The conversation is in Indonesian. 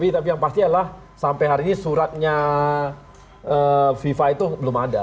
tapi yang pasti adalah sampai hari ini suratnya viva itu belum ada